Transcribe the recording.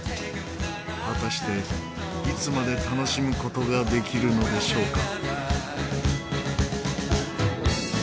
果たしていつまで楽しむ事ができるのでしょうか？